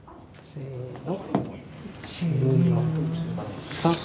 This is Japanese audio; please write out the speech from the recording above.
せの！